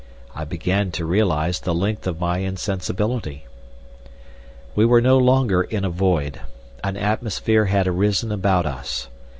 I began to realise the length of my insensibility. We were no longer in a void. An atmosphere had arisen about us.